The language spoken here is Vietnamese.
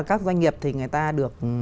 các doanh nghiệp thì người ta được